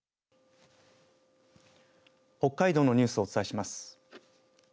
北海道のニュースをお伝えします。